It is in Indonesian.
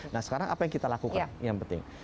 nah sekarang apa yang kita lakukan yang penting